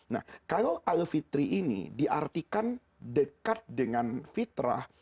nah kalau alfitri ini diartikan dekat dengan fitrah